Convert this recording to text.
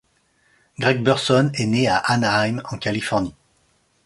Greg Burson est né à Anaheim, en Californie.